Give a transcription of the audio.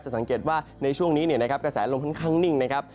จะสังเกตว่าในช่วงนี้กระแสลมค่อนข้างนิ่งนะครับ